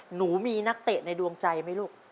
หนูมีนักเตะในดวงใจไหมลูก